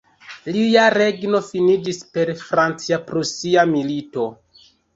Lia regno finiĝis per la Francia-Prusia Milito.